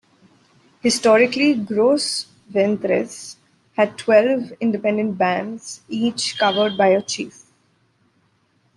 Historically, Gros Ventres had twelve independent bands, each governed by a chief.